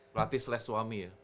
pelatih assesswami ya